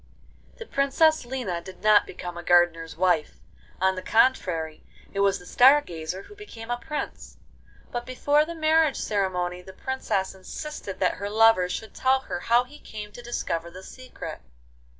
XVI The Princess Lina did not become a gardener's wife; on the contrary, it was the Star Gazer who became a Prince: but before the marriage ceremony the Princess insisted that her lover should tell her how he came to discover the secret.